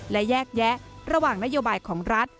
และแยกแยะระหว่างนโยบายของรัฐ